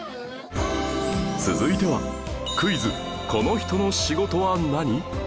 続いてはクイズこの人の仕事は何？